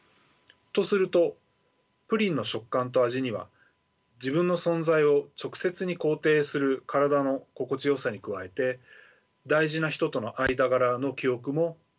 とするとプリンの食感と味には自分の存在を直接に肯定する体の心地よさに加えて大事な人との間柄の記憶も詰まっているでしょう。